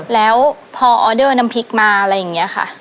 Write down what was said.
แล้วพอออเดอร์น้ำพริกมาอะไรอย่างนี้ค่ะ